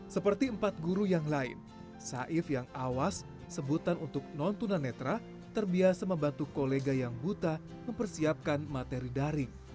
seperti empat guru yang lain saif yang awas sebutan untuk non tunanetra terbiasa membantu kolega yang buta mempersiapkan materi daring